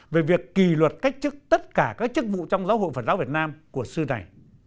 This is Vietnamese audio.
về việc kỳ luật cách chức tất cả các chức vụ trong giáo hội phật giáo việt nam của sư này